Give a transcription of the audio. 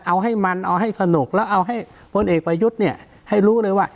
เอาให้มันเอาให้สนุกแล้วเอาให้พลเอกประยุทธ์เนี่ยให้รู้เลยว่า